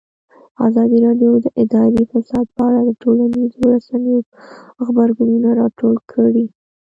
ازادي راډیو د اداري فساد په اړه د ټولنیزو رسنیو غبرګونونه راټول کړي.